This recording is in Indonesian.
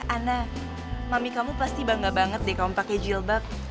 ana mami kamu pasti bangga banget deh kamu pakai jilbab